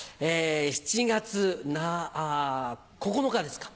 ７月９日ですか。